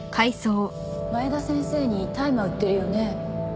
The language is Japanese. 前田先生に大麻売ってるよね？